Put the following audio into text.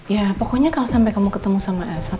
ya pokoknya kalau sampai kamu ketemu sama